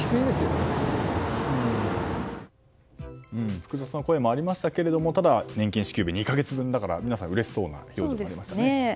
複雑な声もありましたけど年金支給日２か月分だから皆さんうれしそうな表情でしたね。